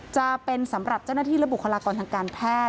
จะเป็นสำหรับเจ้าหน้าที่และบุคลากรทางการแพทย์